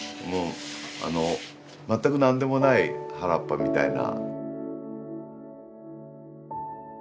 この全く何でもない原っぱみたいな。